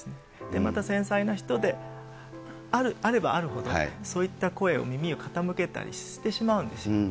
また繊細な人であればあるほど、そういった声を耳を傾けたりしてしまうんですよね。